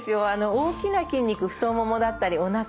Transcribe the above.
大きな筋肉太ももだったりおなか背中